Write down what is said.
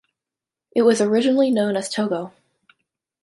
It was originally known as Togo.